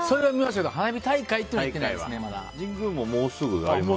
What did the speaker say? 花火大会は行ってないですねまだ。